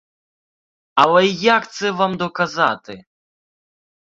Але як це вам доказати?